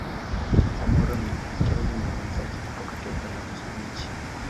Samora Michaeli na wenzake kutoka taifa la Msumbiji